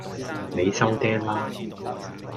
你收嗲啦